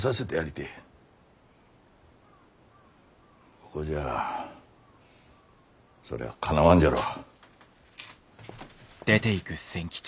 ここじゃあそりゃあかなわんじゃろう。